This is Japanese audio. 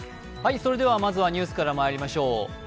まずはニュースからまいりましょう。